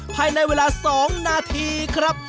ภายในเวลา๒นาทีครับ